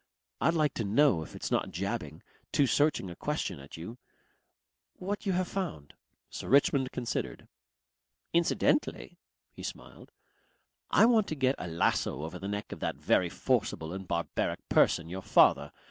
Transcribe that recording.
I'd like to know if it's not jabbing too searching a question at you what you have found." Sir Richmond considered. "Incidentally," he smiled, "I want to get a lasso over the neck of that very forcible and barbaric person, your father.